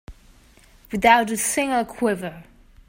Without a single quiver.